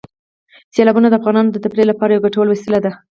سیلابونه د افغانانو د تفریح لپاره یوه ګټوره وسیله ده.